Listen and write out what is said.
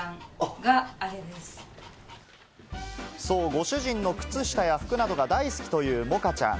ご主人の靴下や服などが大好きというモカちゃん。